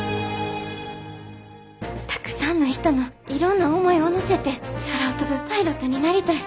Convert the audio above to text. たくさんの人のいろんな思いを乗せて空を飛ぶパイロットになりたい。